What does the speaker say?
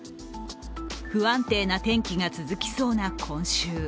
不安定な天気が続きそうな今週。